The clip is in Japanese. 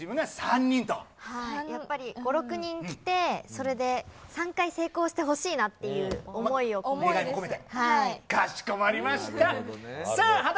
やっぱり、５、６人来て、それで３回成功してほしいなっていう思いを込めて。